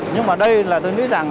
nhưng mà đây là tôi nghĩ rằng